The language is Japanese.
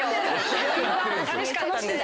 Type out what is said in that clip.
激しかったんです。